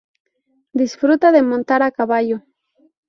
Disfruta de montar a caballo.